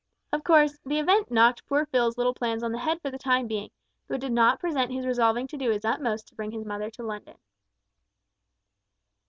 Of course, the event knocked poor Phil's little plans on the head for the time being, though it did not prevent his resolving to do his utmost to bring his mother to London.